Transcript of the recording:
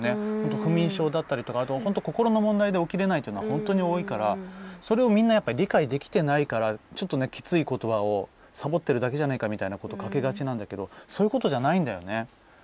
不眠症だったりとか心の問題で起きれないっていうのは本当に多いからそれをみんな理解できてないからちょっときついことばをサボってるだけじゃないかってかけがちなんだけどそういうことじゃないんだよね。